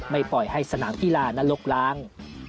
ไม่ปล่อยให้สนามธิราณนรกล้าง